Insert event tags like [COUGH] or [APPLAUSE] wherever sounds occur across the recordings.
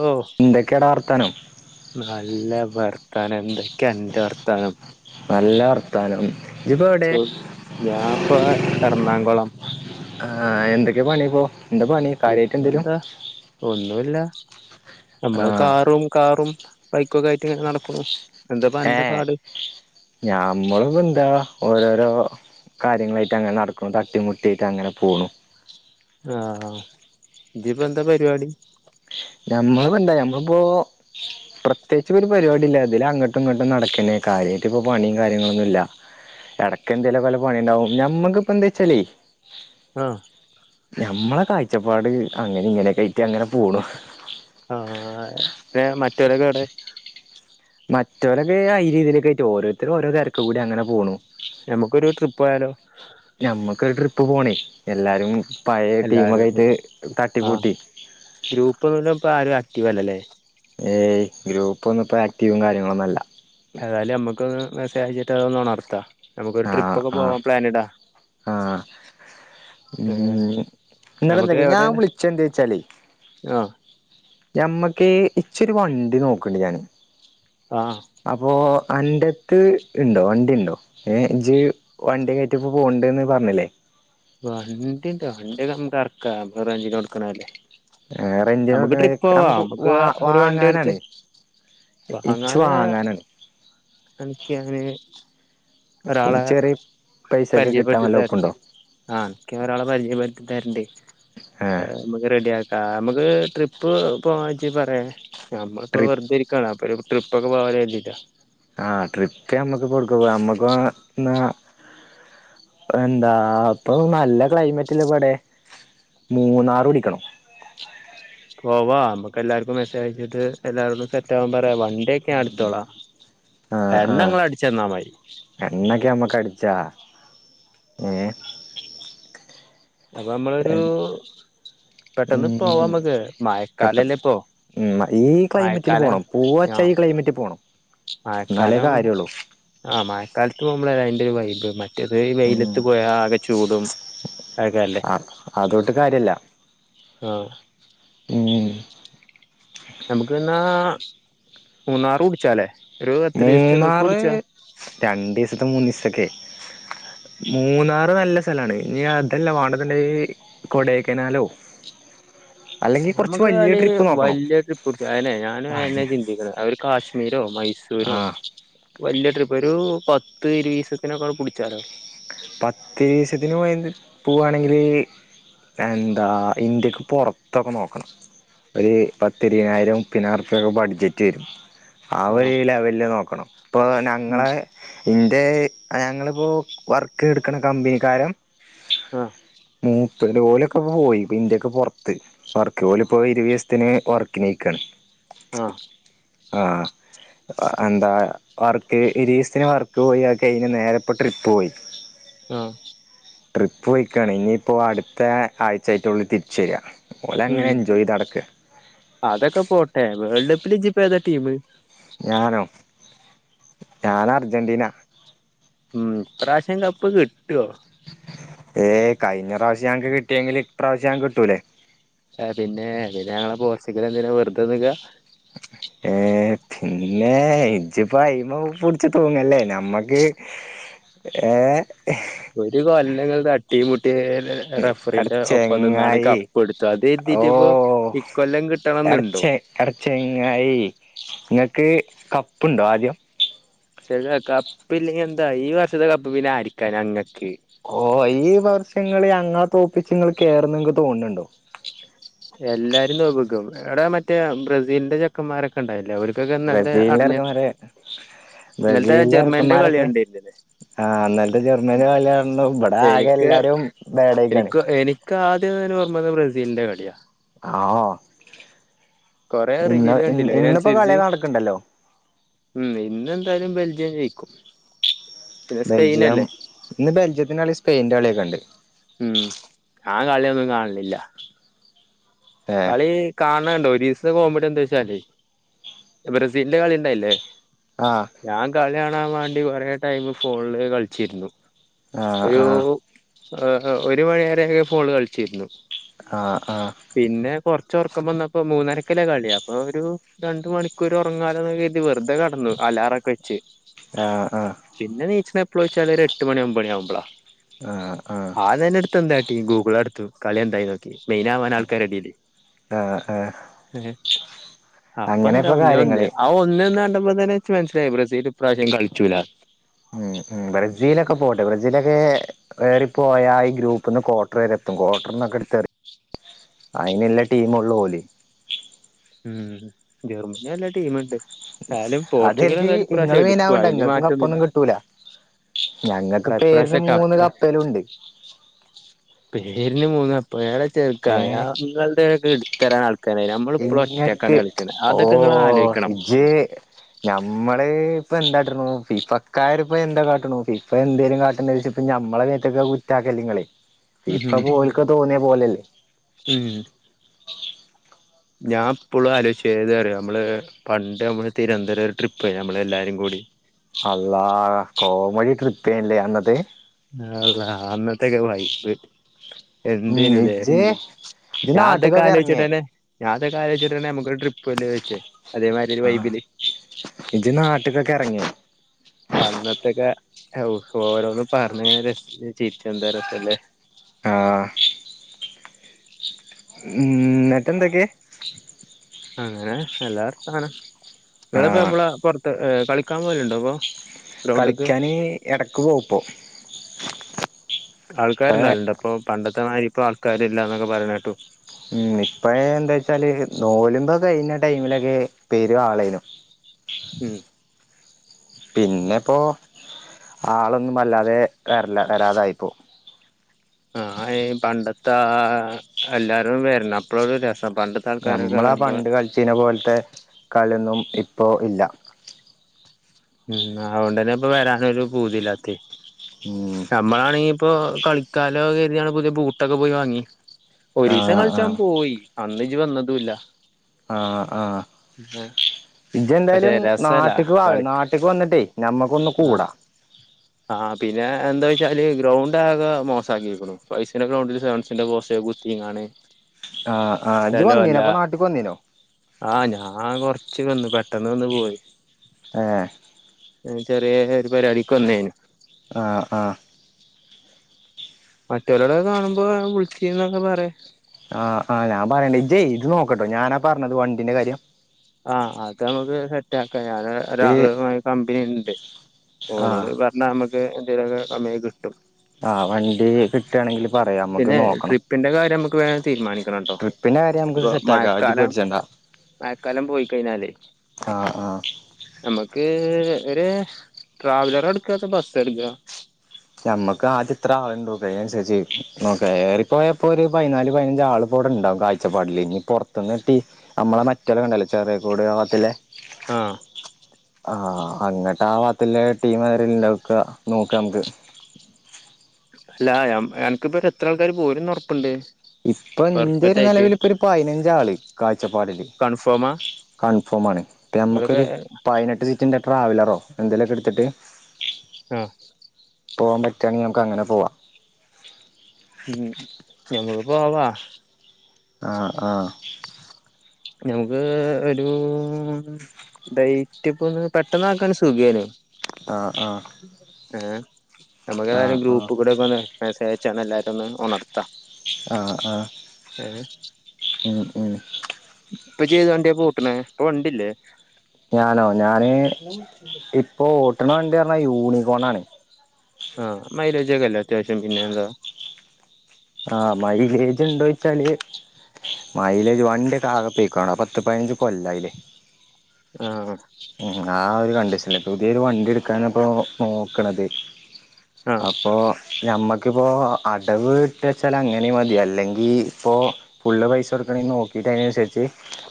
ഓ എന്തകെയാടാ വർതാനം നല്ല വർത്താനം എന്തക്കെയാ അന്റെ വർത്താനം നല്ല വർത്താനം ഇജിപ്പോ എവിടെ [UNINTELLIGIBLE] ഞാപ്പ എറ്ണാങ്കുളം [UNINTELLIGIBLE] പണിപ്പോ എന്താ പണി കാര്യായ്ട്ടെന്തേലും എന്താ ഒന്നുല്ല നമ്മള് കാറും കാറും ബൈക്കൊക്കെ ആയ്ട്ട് നടക്കുണു ഏ ഞമ്മളിപ്പെന്താ ഓരോരോ കാര്യങ്ങളായ്ട്ടങ്ങനെ നട്ക്കും തട്ടിമുട്ടിയ്ട്ടങ്ങനെ പോണു ആ ഇതിപ്പെന്താ പരിപാടി ഞമ്മള് പണ്ടേ നമ്മളിപ്പോ പ്രത്യേയ്ച് ഒരു പരിപാടില്ല ഇതിലെ അങ്ങോട്ടും ഇങ്ങോട്ടും നടക്കന്നെ കാര് എനിക്കിപ്പ പണിം കാര്യങ്ങളൊന്നുവില്ല എടകെന്തേലുവൊകെ വെല്ല പണിയ്ണ്ടാവും ഞമ്മക്കിപ്പെന്താ വെച്ചാലേ ആ ഞമ്മളെ കായ്ച്ചപ്പാട് അങ്ങനെ ഇങ്ങനൊക്കായ്ട്ട് അങ്ങനെ പോണു ആഹ് പിന്നെ മറ്റൊരൊക്കെ എവ്ടെ മറ്റോരൊക്കെ അയ്ലെ ഇതിലെ ഒക്കെ ആയ്ട്ട് പോവും ഓരോര്ത്തരും ഓരോരൊ തരക് കൂടി അങ്ങനെ പോണു ഞമ്മക്കൊരു ട്രിപ്പോയാലോ ഇപ്പ പോണേ എല്ലാരും പഴയ ടീമൊക്കെ എല്ലാരും ആയിട്ട് ആ തട്ടിക്കൂട്ടി ഗ്രൂപ്പ്നിന്നു ഇപ്പ ആരു ആക്റ്റീവല്ലല്ലേ ഏയ് ഗ്രൂപ്പൊന്നും പ്പം ആക്ടീവും കാര്യങ്ങളൊന്നു അല്ല ഏതായാലും നമ്മക്ക് ഒന്ന് മെസ്സേജ് അയ്ച്ചിട്ട് അത് നൊണ [UNINTELLIGIBLE] നമുക്കൊരു ആഹ് ട്രിപ്പൊക്കെ ആഹ് പോവാ പ്ലാനിടാ ആഹ് ഏഹ് ഉം എന്നിട്ട് ഞമുക്ക് എന്തൊക്കെ ഞാൻ എവ്ടെ വിളിച്ച എന്താ വെച്ചാലേ ആഹ് ഞമ്മക്ക് ഇച്ചൊരു വണ്ടി നോക്കണ്ട് ഞാന് ആഹ് അപ്പോ അന്റത്ത് ഇണ്ടോ വണ്ടിണ്ടോ ജ് വണ്ടിയൊകായ്ട്ടിപ്പോ പോണ്ടെന്ന് പറ്ഞ്ഞില്ലേ വണ്ടി വണ്ടിയൊക്കെ നമുക്ക് ഇറക്കാം റെന്റിന് കൊടുക്കണല്ലേ റെന്റിന് നമുക്ക് കൊടുക്കണ ട്രിപ്പ് പോവാ നമുക്ക് വാ ഒരു വണ്ടി എടുത്ത് വാങ്ങാനാണ് ഇച്ച് വാങ്ങാന് വാങ്ങാനാണ് എനിക്കങ്ങനെ ഒരാളെ ചെറിയ പൈസക്ക് കിട്ടാൻ പരിചയപ്പെടുത്തി വല്ല തരണ്ട് ഒപ്പുണ്ടോ ആ അനക്ക് ഞാനൊരാളപരിചയപ്പെടുത്തി തരണ്ട് ഏഹ് അത് നമ്മുക്ക് റെഡിയാ ക്കാം നമ്മക്ക് ട്രിപ്പ് പോവാജ്ജ് പറയെ നമ്മളിപ്പോ ട്രി വെറുതെ ഇരിക്കാണ് അപ്പൊരു ട്രിപ്പൊക്കെ പോവലോ കര്തീട്ടാ ആ ട്രിപ്പ് ഞമ്മക്ക് കൊടുക്ക പോവ മ്മക്ക് ന്നാ എന്താ ഇപ്പൊ നല്ല ക്ലൈമറ്റല്ലേ ഇവടെ മൂന്നാറ് പിടിക്കണം പോവാ മ്മക്ക് എല്ലാവർക്കും മെസ്സേജയച്ചിട്ട് എല്ലാവർക്കും സെറ്റാവാൻ പറയാ വ ണ്ടിയൊക്കെ ഞാൻ എടുത്തോളാ ആഹ് ആഹ് എണ്ണങ്ങളടിച്ചന്നാൽ മതി എണ്ണൊക്കെ നമ്മക്ക് അടിച്ചാ ഏ അപ്പൊ നമ്മളൊരു പെട്ടന്ന് ഉം പോവാമ്മക്ക് പെട്ടെന്ന് മഴക്കാലല്ലേ ഇപ്പോ ഉം ഈ ക്ലൈമറ്റിൽ പോണം പൂവച്ച ആഹ് ഈ ക്ലൈമറ്റിൽ പോണം എന്നാലേ മഴക്കാലം കാര്യള്ളൂ ആ മഴക്കാലത്ത് പോകുമ്പോള അതിന്റെ ഒരു വൈബ് മ റ്റത് ഉം വെയിലത്ത് പോയാ ആകെ ചൂടും അതൊക്കെല്ലേ ആഹ് അതോട്ട് കാര്യല്ല ആ ഉം നമുക്ക്ന്നാ മൂന്നാറുടിച്ചാലേ മൂന്നാറ് രണ്ടിസത്തെ മൂന്നീസൊത്തൊക്കെ മൂന്നാറ് നല്ല സ്ഥലാണ് ഇനി അതല്ല വാണ്ടത് ണ്ടേ കൊടൈക്കനാലോ നമ്മുക്ക് അല്ലേ ട്രിപ്പ് നോക്കണം വല്ല്യ ട്രിപ്പ് ട്ച്ചാലെ ആഹ് ഞാനയന്നെയാ ചിന്തിക്ക്ണേ അവര് കാശ്മീരോ മൈസൂ രോ ആഹ് വല്യ ട്രിപ്പ് ഒരു പത്ത് ഇരീവിസത്തിനൊക്കെ പിടിച്ചാലോ പത്തീസത്തിന് പോയാണ്ട് പോവാണെങ്കില് എന്താ ഇന്ത്യക്ക് പൊറത്തൊക്കെ നോക്കണം ഒരു പത്തിരുനായിരംപ്പിനാർക്കൊക്കെ ബഡ്ജറ്റ് വരും ആ ആഹ് ഒരു ലെവലില് നോക്കണം ഇപ്പൊ ഉം ഞങ്ങളെ ൻ്റെ ഞങ്ങളിപ്പോ വർക്ക് എടുക്കണ കമ്പനിക്കാരും ആഹ് മ് ത്ത്ന്റെ ഓലൊക്കെ പ്പ പോയി പ്പ ഇന്ത്യക്ക് പൊറത്ത് വർക്ക് ഓല് പോയി ഇരുവിസത്തിന് വർക്കിലേക്കാണ് ആ ആ എന്താ വർക്ക് ഇരുപ്തീശത്തിന് വർക്ക് പോയി അത് കെഴിഞ്ഞ് നേരെപ്പോ ട്രിപ്പ് പോയി ആ ട്രിപ്പ് പോയിക്കാണ് ഇനിയിപ്പോ അടുത്ത ആഴ്ചായിട്ടൊള്ളു തിരിച്ചു വര്വ ഉം അതൊക്കെ പോട്ടെ വേൾഡപ്പില് ഇജ്ജ് ഏതാ ടീമ് ഞാനോ ഞാൻ അർജന്റീന ഉം ഇപ്രാവശ്യം കപ്പ് കിട്ടുവോ ഏ കഴിഞ്ഞ പ്രാവശ്യം ഞങ്ങക്ക് കിട്ടിയെങ്കിൽ ഇപ്രാവശ്യം ഞങ്ങക്ക് കിട്ടൂലേ ക്ഷെ പിന്നെ പിന്ന ങ്ങളെ പോർച്ചുഗൽ എന്തിനാ വെറുതെ നിക്ക ഏ പിന്നെ ഇജിപ്പയ്മെ പൊടിച്ച് തൂങ്ങല്ലേ ഞമ്മക്ക് ഏ ഒരു കൊല്ലങ്ങൾ തട്ടീം മു ട്ടി എട റഫറിന്റെ ഒപ്പം നിന്നാണ് ചെങ്ങായി കപ്പ് എടുത്തത് അത് എത്തീട്ടിപ്പോ ഇക്കൊല്ലം കിട്ടണം എടച്ച എടച്ചങ്ങായി ങ്ങക്ക് കപ്പുണ്ടോ ആദ്യം [UNINTELLIGIBLE] കപ്പില്ലെങ്കി എന്താ ഈ വർഷത്തെ കപ്പ് പിന്നെ ആയിരിക്കാ ഞങ്ങ ഓ ഈ വർഷ ങ്ങള് ഞങ്ങളെ തോപ്പിച്ച് ങ്ങള് കേറുന്ന് ങ്ങക്ക് തോന്നണ് ണ്ടോ എല്ലാരും തോപിക്കും എവിടെ മറ്റേ ബ്രസീലിന്റെ ചെക്കന്മാരൊക്കെ ഉണ്ടായില്ലേ അവർ ബ്രസീലന്റെറെർക്കെമാര ഇന്നലത്തെ ജർമ്മനിന്റെ കളി ബ്രസീലന്റെർക്കെന്മാരൊക്കെ കണ്ടിരുന്നില്ലേ ആഹ ഇ ന്നലത്തെ ജർമ്മനി വല്ലു ഇവിടെ ആകെ എനിക്ക് എല്ലാരും വേടക്കാണ് എനിക്ക് എനിക്ക് ആദ്യം ഓർമ്മ ബ്രസീലിന്റെ കളിയാ ആ കൊറേ ഇന്ന് റീല് ഇ കണ്ടില്ലേ ഇന്നിപ്പോ അതിനനുസരിച്ച് കളിയ നടക്കണ്ടല്ലോ ഉം ഇന്നന്തെയാലും ബെൽജിയം ജയിക്കും പിന്നെ ബെൽജിയം സ്പെയിനല്ലേ ഇന്ന് ബെൽജിയത്തിൻ്റെ കളി സ്പെയിൻ്റെ കളിയൊക്കെ ഉണ്ട് ഉം ഞാൻ കളിയൊന്നും കാണലില്ല ഏഹ് കളി കാണണ്ടോ ഒരു കോമഡി എന്താെച്ചല്ലേ ബ്രസീലിന്റെ കളിണ്ടായില്ലേ ആഹ് ഞാൻ കളികാ കാണാൻ വേണ്ടി കുറെ ടൈം ഫോണില് കളിച്ചിരുന്നു ആ ആ ആ ഒരു മണിയ വരക്കെ ഫോണ് കളിച്ചിരുന്നു ആഹ ആഹ പിന്നെ കുറച്ചുറക്കം വന്നപ്പോ മൂന്നരക്കല്ലേ കളി അപ്പൊ ഒരു രണ്ട് മണിക്കൂർ ഉറങ്ങാലന്ന കരുതി വെ പത്തേക്ക് കടന്നു അലാറൊക്കെ വെച്ച് ആഹ് ആഹ് ആഹ് പിന്നെ നീച്ച ഇപ്പോളിയിച്ചാൽ ഒരു എട്ട് മണി ഒൻമ്പണി ആവുമ്പോളാ ആഹ് ആഹ് ആതന്നെ അടുത്ത് എന്താട്ടീ ഗൂഗിള അടുത്തു കളി എന്തായി നോക്കി മെയിന ആവാൻ ആൾക്കാർ റെടല് ആഹ് ആഹ് എ അപ്പന്താ അങ്ങനെപ്പൊ ഒന്നേ ഒന്ന് കാര്യങ്ങള് ആ ഒന്നെ ഒന്ന് കണ്ടപ്പ താനെ മനസ്സിലായി ബ്രസീൽ ഇപ്രാവശ്യം കളിച്ചൂല്ല അതിലൊക്കെ എറി പ്പോയാ ഈ ഗ്രൂപ്പ് നിന്ന് ക്വാർട്ടർ വരെ എത്തും ക്വാർട്ടർന്നൊക്കെ എടുത്ത്റി അയിനല്ല ടീമ് ഉള്ള പോലെ ഉം ജർമനി നല്ല ടീമണ്ട് അത്‌ കരുതി ഇങ്ങള് എടുക്കും മൈനാവണ്ട അതില് നിങ്ങൾക്കും കപ്പൊന്നും മാറ്റൊന്നുമില്ല കിട്ടൂല ഞങ്ങക്ക് എടാ പേരിന് ഇപ്രാവശ്യം മൂന്ന് കപ്പ് കപ്പെലും ഉണ്ട് പേരിന് മൂന്ന് കപ്പ് ചെറുക്കായങ്ങളുടെഎടുത്തരാൻ ആൾ എങ്ങക്ക് ഓ അതൊക്കെ നിങ്ങൾ ആലോചിക്കണം ജേ നമ്മള് ഇപ്പൊ എന്താട്ട ണു ഫി ഫക്കാരിപ്പൊ എന്താ കാട്ടണു ഫിഫ എന്തേലും കാട്ടണ ച ഇപ്പ ഞമ്മടെ മേത്തക്ക കുറ്റാണ് നിങ്ങൾ ഇപ്പൊ ഉം പോലക്ക തോന്നിയ പോലല്ലേ ഉം ഞാൻ ഇപ്പോഴും ആലോചിച്ചത് ഏത് അറിയോ നമ്മൾ പണ്ട് നമ്മൾ തിരുവനന്തരം ഒരു ട്രിപ്പ് പോയി നമ്മൾ എല്ലാരും കൂടി അള്ളാ കോമടി ട്രിപ്പ്യല്ലേ അന്നത് അല്ല അന്നത്തെക്ക വൈബ് ഉം എന്തേനുല്ലേ ഇജ്ജ് ഇജ്ജ് ഞാൻ അതൊക്കെ നാട്ട്ക്കൊക്കെ എറങ്ങേ ആലോചിച്ചിട്ടന്നെ ഞാൻ അതൊക്കെ ആലോചിച്ചിട്ടണ്ടെ നമ്മുക്ക് ട്രിപ്പ്ല്ലേ വച്ചേ അതേമാതിരിരു ആ വൈബില് ഇജ്ജ് നാട്ട്ക്കൊക്കെ എറങ്ങേ അന്നത്തക്കെ ഓരോന്ന് പറഞ്ഞ് ഇങ്ങനെ ചിരിച്ച എന്താ രസല്ലേ ആ ഉ എന്നിട്ട് എന്തൊക്കെ അങ്ങനെ എല്ലാർക്കും സാനം ആ ഇങ്ങളിപ്പ എപ്പളാ പുറത്ത് കളിക്കാൻ പോലുണ്ടോ അപ്പൊ ഗ്രൗണ്ട്ക്ക് കളിക്കാന് ഇടക്ക് പോവും ഇപ്പം ആൾക്കാര് നല്ലപ്പോ പണ്ടത്തെമാതിരി ഇപ്പോ ആൾക്കാര് ഇല്ലന്നൊക്കെ പറയണ കേട്ടു ഉം ഇപ്പ എന്താ വച്ചാല് നോലുമ്പ കഴിഞ്ഞ ടൈമിലൊക്കെ പേരും ആളേനും ഉം പിന്നെപ്പോ ആളൊന്നും അല്ലാതെ വരല്ല വരാതായിപ്പോ ആഹ് പണ്ടത്തെ ആ എല്ലാരും വരുന്നപ്പോള ഒരു രസ നമ്മളാ പണ്ട് കളിച്ചനെ പോലത്തെ കളിയൊന്നും ഇപ്പോ ഇല്ല ഉം അകൊണ്ടന്നെ ഇപ്പൊ വരാനൊരു പൂതില്ലാത്തി ഉം നമ്മളാണെങ്കി ഇപ്പോ കളിക്കാലോ കരുതിയാണ് പുതിയ ബൂട്ടൊക്കെ പോയി വാങ്ങി ഒരീസം ആഹ് ആഹ് കളിച്ചാപോയി അന്ന് ഇജ്ജ് വന്നതുല്ല ആഹ് ആഹ് പക്ഷെ ഇജ്ജെന്തായാലും രസല്ല നാട്ടിക്കവ കളി നാട്ട് ക്ക് വന്നിട്ടേ ഞമ്മക്കൊന്ന് ആഹ് കൂടാ ആഹ് പിന്നെ എന്താ വെച്ചാല് ഗ്രൗണ്ട് ആകെ മോസാക്കിയിക്കുന്നു ഫൈസിന്റെ ഗ്രൗണ്ടിൽ സെവസിന്റെ ആഹ് ആഹ് ഇജ്ജ് സ്ഥല വന്നീനോ അല്ല അപ്പൊ നാട്ട്ക്ക് വന്നീനോ ആഹ് ഞാൻ കൊറ- ച്ച് വന്ന് പെട്ടെന്ന് വന്ന് പോയി ഏഹ് ചെറിയേരു പരുവാടിക്ക് വന്നെയ്നു ആഹ് ആഹ് മറ്റവരോട് കാണുമ്പൊ വിളിച്ചിന്നൊക്കെ പറയ് കെട്ടോ ഞാനാ പറഞ്ഞത് വണ്ടിന്റെ കാര്യം ആഹ് അതമുക്ക് സെറ്റാക്കാം ഞാൻ ഈ ഒരാള് കമ്പനിണ്ട് ആഹ് ഒനോട് പറഞ്ഞാ മ്മക്ക് എന്തേലൊക്കെ സമയംകിട്ടും ആഹ് വണ്ടി കിട്ടാണെങ്കി പിന്നെ ട്രിപ്പിന്റെ കാര്യം മ്മക്ക് വേഗം തീരുമാനിക്കണോട്ടോ ട്രിപ്പിന്റെ കാര്യം നമുക്ക് ഇപ്പൊ സെറ്റ് ആക്കാം ഇജ്ജ് മയക്കാലം പേടിച്ചണ്ട മഴക്കാലം പോയി കഴിഞ്ഞാലേ ആഹ് ആഹ് നമ്മുക്ക് ഏഹ് ഒരു ട്രാവലറെടുക്കത ബസ്സെടുക്ക ഞമ്മക്ക് ആദ്യ എത്ര ആളുണ്ടോക്ക അയിനനുസരിച്ച് നോകാ ഏറിപ്പോയപ്പോരു പതിനാല് പതിനഞ്ച് ആള് പോട ണ്ടാവും കാഴ്ചപ്പാടിലിനി പൊറത്തുനിട്ടി നമ്മളെ മറ്റെല്ലണ്ടല്ലോ ചെറിയക്കൂട്കല്ലെ ആഹ് ആഹ് അങ്ങട്ട് ആ ഭത്തില്ലെ ടീം [UNINTELLIGIBLE] നോക്ക മുക്ക് അല്ല ഞമ അനക്കിപ്പ എത്ര ആൾക്കാര് പോരുന്നൊറപ്പ്ണ്ട് ഇപ്പൊ എന്റെ ഒരു നിലവിലിപ്പൊരു പതിനഞ്ചാള് കാഴ്ചപ്പാടില് കൺഫേമാ കൺഫോമാണ് ഇപ്പോ അതൊക്കെ ഞമുക്കൊരു പതിനെട്ട് സീറ്റിന്റെ ട്രാവലറോ എന്തേലൊക്കെ എടുത്തിട്ട് ആഹ് പോവാപറ്റുവാണെങ്കി നമക്കങ്ങനെ പോവാ ഞമക്ക്പ്പോവാ ആഹ് ആഹ് ഞമുക്ക് ഒരു ഡൈറ്റ് ഇപ്പൊ ഒന്ന് പെട്ടന്ന് ആക്കാൻ സുഖേനു ആഹ് ആഹ് ഏഹ് നമുക്കേതാലും ആഹ് ആഹ് ഗ്രൂപ്പ് കൂടെ ഒക്കെന്ന് മെസേജ് അയച്ചാണ് എല്ലാരുന്ന് ഉണർ- ആഹ് ആഹ് ഏഹ് ഉഹ് ഉഹ് ഇപ്പൊജ്ജ് ഏത് വണ്ടിയാ പൂട്ടണേ ഇപ്പവണ്ടില്ലേ ഞാനോ ഞാന് ഇപ്പൊ ഓട്ടണ വണ്ടി പറഞ്ഞാ യൂണികോണാണ് ആഹ് മൈലേജൊക്കില്ലെ അത്യാവശ്യം പിന്നെന്താ ആഹ് മൈലേജൊണ്ടേച്ചാല് മൈലേജ് വണ്ടിക്ക ആകെ പൊയ്ക്കാണ് പത്ത് പതിനഞ്ച് കൊല്ല ആയില്ലേ ആഹ് കണ്ടീഷന പുതിയൊരു വണ്ടി എടുക്കാനിപ്പോ നോക്കണത് ആഹ് അപ്പൊ ഞമ്മക്കിപ്പോ അടവ് ച്ചാൽ അങ്ങനെമതി അല്ലെങ്കി ഇപ്പൊ ഫുള്ള് പൈസ കൊടുക്കണെ നോക്കീട്ടയ്നനുസരിച്ച്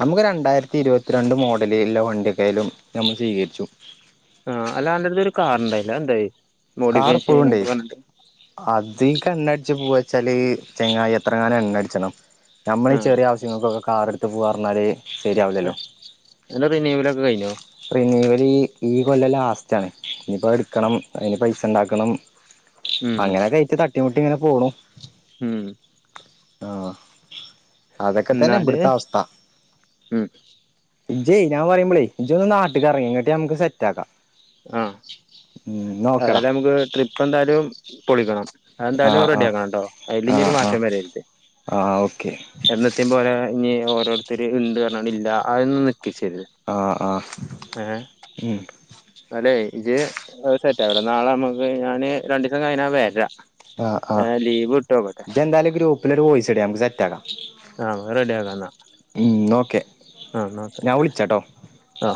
നമുക്ക് രണ്ടായിരത്തി ഇരുപത്തിരണ്ട് മോഡല് ഇള്ള വണ്ടിയക്കായലും നമ്മള് സ്വീകരിച്ചു ബോഡി [UNINTELLIGIBLE] ഒക്കെ പറഞ്ഞിട്ട് അത് കണ്ണടിച്ചു പോവെച്ചാല് ചങ്ങായ് എത്രങ്ങാനം എണ്ണടിച്ചണം നമ്മളി ആഹ് ചെറിയാവശ്യങ്ങൾക്കൊക്കെ കാറെടുത്ത് പോവാറഞ്ഞാല് ശരിയാവില്ലല്ലോ ഇന്റെ റിനീവലൊക്കെ കഴിഞ്ഞോ ഇ ഈ കൊല്ലം ലാസ്റ്റാണ് ഇനിപ്പൊ എടുക്കണം അയ്ന് പൈസിണ്ടാക്കണം ഉം അങ്ങനെ കഴിച്ച് തട്ടിമുട്ടി ഇങ്ങനെ പോണു ഉം ആ അതൊക്കെ തന്നെ എന്നാല് വിടുത്ത അവസ്ഥ ഉം ഇജയ് ഞാൻ പറയുമ്പളെ ഇജോന്ന് നാട്ട് കറങ്ങ് എന്നിട്ട് നമുക്ക് സെറ്റ് ആക്കാം ആഹ് ഉം നോക്കട അതായത് നമുക്ക് ട്രിപ്പ് എന്തായാലും പൊളിക്കണം അ ആ എന്തായാലും ആ റെഡിയാക്കണം കേട്ടോ അതില് ആ ഇഞ്ഞൊരു ആ മാറ്റം വരെരുത് ആ ഓക്കെ ഇനി ഓരോരുത്തർ ഉണ്ട് പറഞ്ഞിട്ട് ഇല്ല അതൊ ആ ആ ഏ ഉം അതേ ഇജ് സെറ്റ്ട്ട നാളെ നമുക്ക് ഞാന് രണ്ടു ദിവസം കഴിഞ്ഞ വരാം ആ ആ ഇ എന്തായാലും ഗ്രൂപ്പിലരു വോയിസ് ഇട് നമുക്ക് സെറ്റ് ആക്കാം ആ റെഡി ആകുന്ന ഉം ഓക്കെ ആ നോക്കെ ഞാൻ വിളിച്ചാട്ടോ ആ